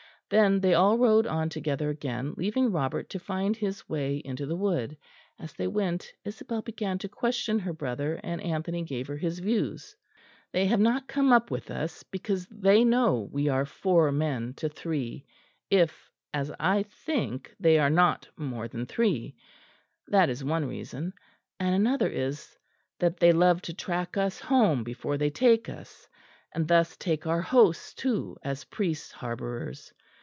Then they all rode on together again, leaving Robert to find his way into the wood. As they went, Isabel began to question her brother, and Anthony gave her his views. "They have not come up with us, because they know we are four men to three if, as I think, they are not more than three that is one reason; and another is that they love to track us home before they take us; and thus take our hosts too as priests' harbourers.